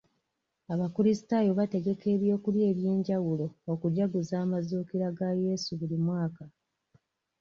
Abakulisitaayo bategeka eby'okulya eby'enjawulo okujaguza amazuukira ga Yesu buli mwaka.